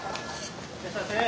いらっしゃいませ！